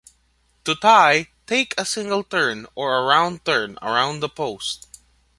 To tie, take a single turn or a round turn around the post.